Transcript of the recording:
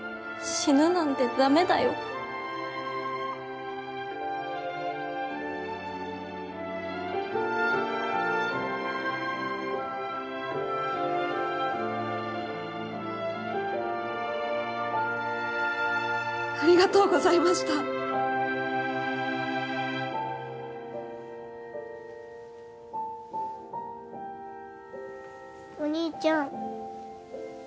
死ぬなんてダメだよありがとうございましたお兄ちゃん